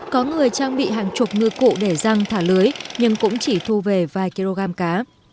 có người trang bị hàng chục ngư cụ để răng thả lưới nhưng cũng chỉ thu về vài kg cá